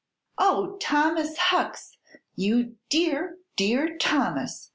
"Oh, Thomas Hucks you dear, dear Thomas!"